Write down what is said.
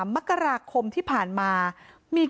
นางศรีพรายดาเสียยุ๕๑ปี